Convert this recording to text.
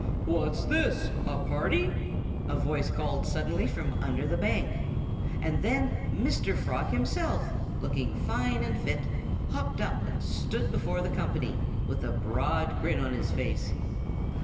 "What's this a party?" a voice called suddenly from under the bank. And then Mr. Frog himself, looking fine and fit, hopped up and stood before the company, with a broad grin on his face.